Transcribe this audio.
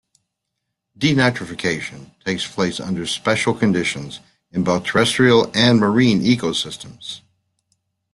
Denitrification takes place under special conditions in both terrestrial and marine ecosystems.